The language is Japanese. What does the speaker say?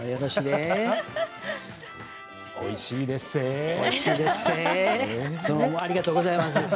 おいしいでっせ。